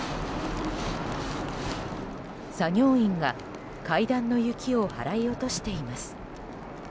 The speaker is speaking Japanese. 作業員が階段の雪を払い落としています。